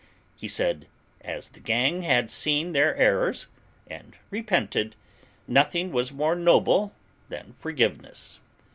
He said, as the gang had seen their errors, and repented, nothing was more noble than forgiveness.